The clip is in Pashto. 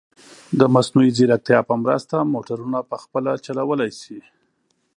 د مصنوعي ځیرکتیا په مرسته، موټرونه په خپله چلولی شي.